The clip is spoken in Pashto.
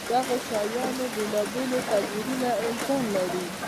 دغو شیانو بېلابېل تعبیرونه امکان لري.